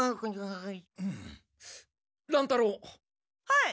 はい。